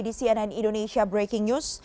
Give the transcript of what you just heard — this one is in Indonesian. di cnn indonesia breaking news